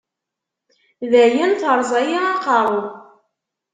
Dayen, terẓa-yi aqerru-iw.